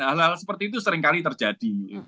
hal hal seperti itu seringkali terjadi